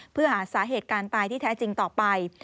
เพื่อหาสาเหตุการตายที่แท้จริงต่อไป